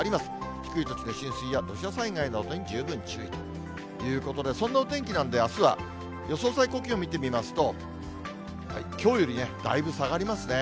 低い土地の浸水や土砂災害などに十分注意ということで、そんなお天気なんで、あすは予想最高気温見てみますと、きょうよりだいぶ下がりますね。